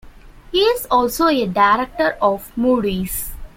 He is also a director of Moody's.